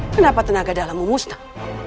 kenapa tenaga dalammu musnah